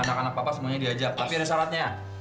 anak anak papa semuanya diajak tapi ada syaratnya